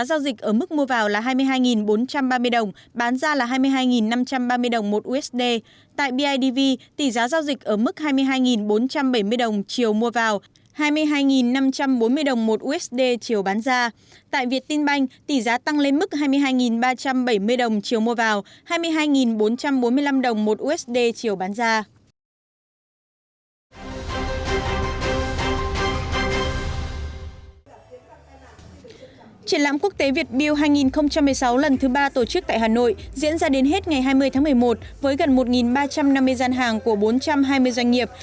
triển lãm quốc tế việt bill hai nghìn một mươi sáu lần thứ ba tổ chức tại hà nội diễn ra đến hết ngày hai mươi tháng một mươi một với gần một ba trăm năm mươi gian hàng của bốn trăm hai mươi doanh nghiệp